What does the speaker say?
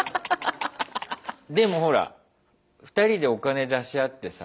でもほら２人でお金出し合ってさ。